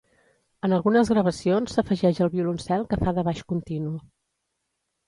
En algunes gravacions s'afegeix el violoncel que fa de baix continu.